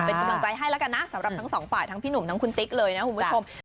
เป็นกำลังใจให้แล้วกันนะสำหรับทั้งสองฝ่ายทั้งพี่หนุ่มทั้งคุณติ๊กเลยนะคุณผู้ชม